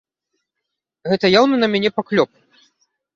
Гэта яўны на мяне паклёп!